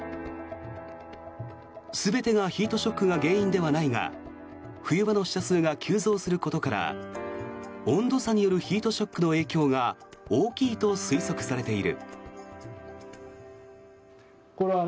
全てがヒートショックが原因ではないが冬場の死者数が急増することから温度差によるヒートショックの影響が大きいと推測されている。